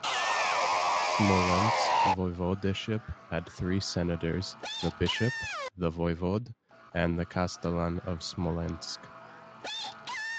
Smolensk Voivodeship had three senators: the Bishop, the Voivode, and the Castellan of Smolensk.